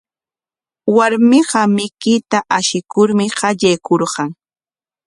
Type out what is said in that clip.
Warmiqa mikuyta ashikurmi qallaykurqan.